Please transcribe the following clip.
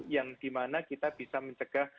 yang dimana kita bisa mencegah